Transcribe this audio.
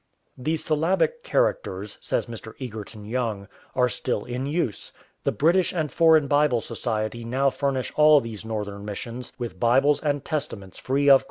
"The syllabic characters," says Mr. Egerton Young, " are still in use. The British and Foreign Bible Society now furnish all these Northern missions with Bibles and Testaments free of cost.